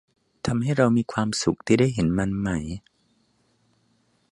ทำให้เรามีความสุขที่ได้เห็นมันไหม